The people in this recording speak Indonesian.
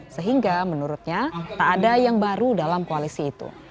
sehingga menurutnya tak ada yang baru dalam koalisi itu